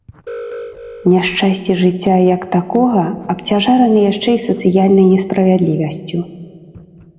Няшчасці жыцця як такога абцяжараны яшчэ і сацыяльнай несправядлівасцю.